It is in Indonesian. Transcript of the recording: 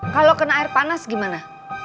kalau kena air panas gimana